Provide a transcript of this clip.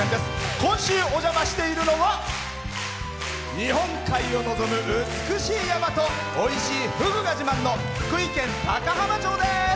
今週お邪魔しているのは日本海を望む美しい山とおいしいふぐが自慢の福井県高浜町です。